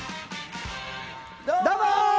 どうも！